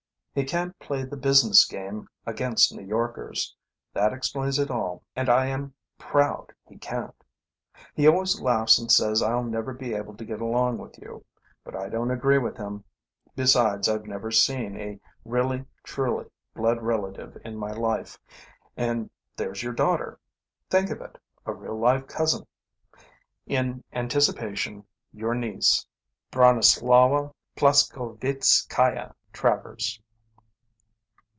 He can't play the business game against New Yorkers. That explains it all, and I am proud he can't. "He always laughs and says I'll never be able to get along with you. But I don't agree with him. Besides, I've never seen a really, truly blood relative in my life, and there's your daughter. Think of it! a real live cousin! "In anticipation, "Your niece, "BRONISLAWA PLASKOWEITZKAIA TRAVERS.